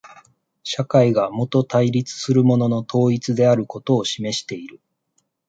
社会がもと対立するものの統一であることを示している。